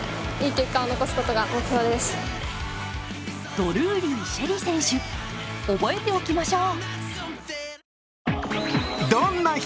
ドルーリー朱瑛里選手、覚えておきましょう。